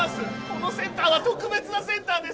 このセンターは特別なセンターです！